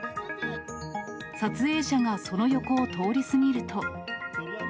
撮影者がその横を通り過ぎると。